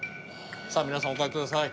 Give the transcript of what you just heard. さあ皆さんお書き下さい。